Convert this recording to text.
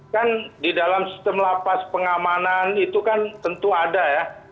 kan di dalam sistem lapas pengamanan itu kan tentu ada ya